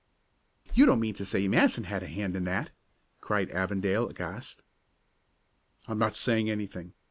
"You don't mean to say Matson had a hand in that!" cried Avondale aghast. "I'm not saying anything.